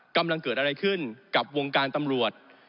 กำลังเกิดอะไรขึ้นกับวงการตำรวจ